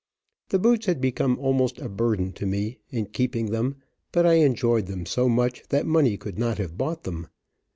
The boots had become almost a burden to me, in keeping them, but I enjoyed them so much that money could not have bought them.